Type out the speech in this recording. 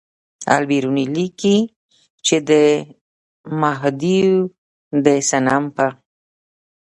البېروني لیکي چې د مهادیو د صنم په